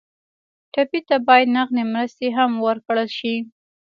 ټپي ته باید نغدې مرستې هم ورکړل شي.